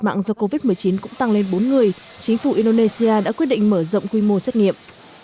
mạng do covid một mươi chín cũng tăng lên bốn người chính phủ indonesia đã quyết định mở rộng quy mô xét nghiệm